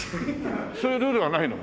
そういうルールはないの？